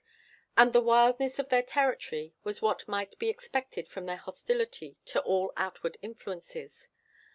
And the wildness of their territory was what might be expected from their hostility to all outward influences.